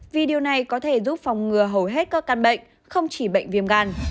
vì điều này có thể giúp phòng ngừa hầu hết các căn bệnh không chỉ bệnh viêm gan